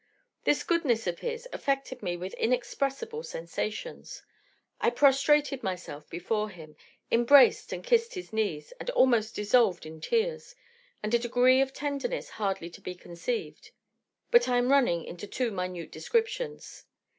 This goodness of his affected me with inexpressible sensations; I prostrated myself before him, embraced and kissed his knees, and almost dissolved in tears, and a degree of tenderness hardly to be conceived But I am running into too minute descriptions.